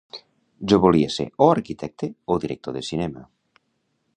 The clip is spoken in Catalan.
Jo volia ser o arquitecte o director de cinema